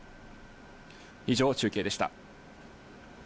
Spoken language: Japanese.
以上、中継でした。